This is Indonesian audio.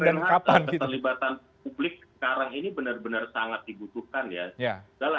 yang menarik adalah keterlibatan publik sekarang ini benar benar sangat dibutuhkan ya